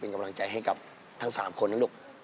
เป็นเรื่องราวของแม่นาคกับพี่ม่าครับ